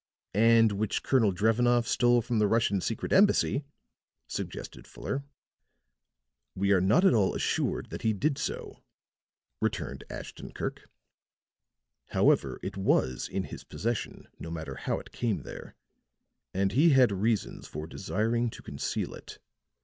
"And which Colonel Drevenoff stole from the Russian secret embassy," suggested Fuller. "We are not at all assured that he did so," returned Ashton Kirk. "However, it was in his possession, no matter how it came there; and he had reasons for desiring to conceal it.